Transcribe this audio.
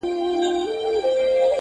په یوه شپه به پردي سي شتمنۍ او نعمتونه.!